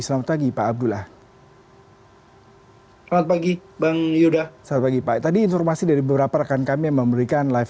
selamat pagi pak abdullah